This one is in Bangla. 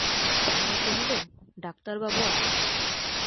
বেহারা কহিল, ডাক্তারবাবু আয়া।